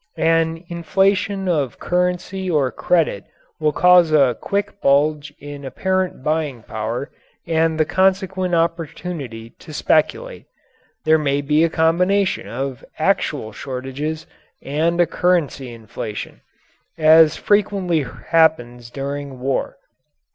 An inflation of currency or credit will cause a quick bulge in apparent buying power and the consequent opportunity to speculate. There may be a combination of actual shortages and a currency inflation as frequently happens during war.